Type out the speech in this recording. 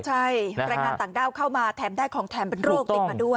ใช่แรงงานต่างด้าวเข้ามาแถมได้ของแถมเป็นโรคติดมาด้วย